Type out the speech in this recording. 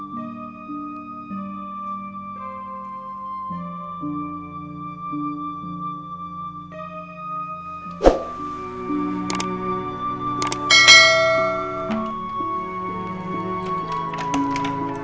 pertahankan pernikahan kamu